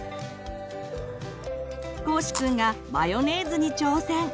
こうしくんがマヨネーズに挑戦！